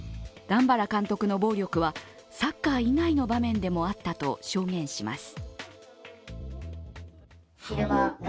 段原監督の暴力は、サッカー以外の場面でもあったと証言します。